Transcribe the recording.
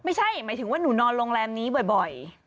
ไม่ใช่หมายถึงว่าหนูนอนโรงแรมนี้บ่อย